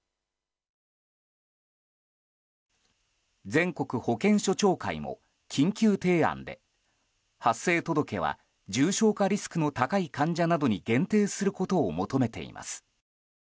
全国保健所長会も緊急提案で発生届は重症化リスクの高い患者などに限定することを求めています。